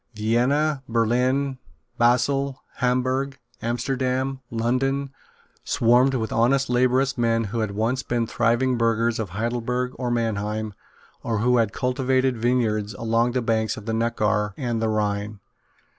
Vienna, Berlin, Basle, Hamburg, Amsterdam, London, swarmed with honest laborious men who had once been thriving burghers of Heidelberg or Mannheim, or who had cultivated vineyards along the banks of the Neckar and the Rhine.